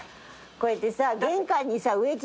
こうやってさ。